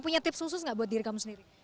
punya tips khusus nggak buat diri kamu sendiri